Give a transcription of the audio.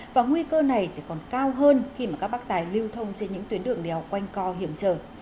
và nguy cơ này còn cao hơn khi mà các bác tài lưu thông trên những tuyến đường đèo quanh co hiểm trở